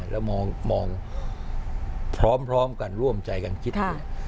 แล้วมองมองพร้อมพร้อมกันร่วมใจกันคิดค่ะ